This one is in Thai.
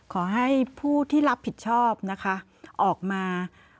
ขอให้ผู้ที่รับผิดชอบนะคะ